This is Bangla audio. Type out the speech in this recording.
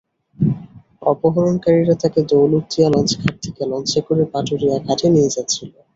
অপহরণকারীরা তাকে দৌলতদিয়া লঞ্চঘাট থেকে লঞ্চে করে পাটুরিয়া ঘাটে নিয়ে যাচ্ছিল।